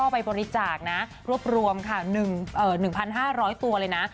ไปบริจาคนะรวบรวมค่ะ๑๕๐๐ตัวเลยนะ